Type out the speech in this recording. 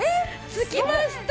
つきました！